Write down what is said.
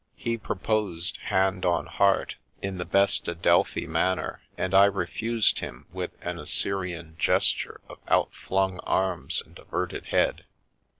He proposed, hand on heart, in the best Adelphi manner, and I refused him with an Assyrian gesture of out flung arms and averted head.